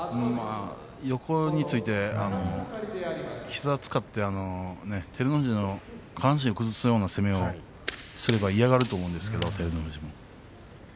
横について、膝を使って照ノ富士の下半身を崩すような攻めをすれば嫌がると思うんですけど照ノ富士は。